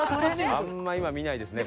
あんま今見ないですね。